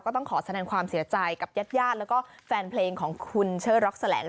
ต้องขอแสดงความเสียใจกับญาติญาติแล้วก็แฟนเพลงของคุณเชอร์ร็อกแสลนด